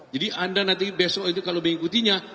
jadi anda nanti besok itu kalau ingin ikutinya